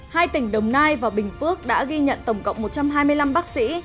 hai tỉnh đồng nai và bình phước đã ghi nhận tổng cộng một trăm hai mươi năm bác sĩ